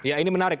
ya ini menarik